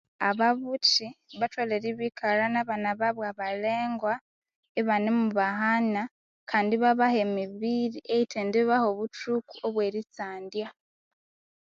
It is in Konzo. Ababuthi batholere ibikalha nabana babo abalengwa ibanemu bahana kandi ibabaha emibiri eyithendi baha obuthuku obweritsandya